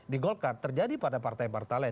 di golkar terjadi pada partai partai lain